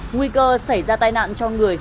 nguy cơ xảy ra tai nạn cho người